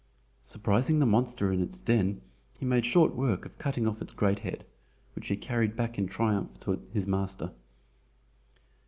Surprising the monster in its den, he made short work of cutting off its great head, which he carried back in triumph to his master.